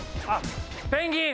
ペンギン。